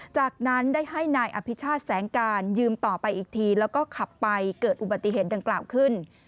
จากนั้นได้ให้นายอภิชาติแสงการยืมต่อไปอีกทีแล้วก็ขับไปเกิดอุบัติเหตุดังกล่าวขึ้น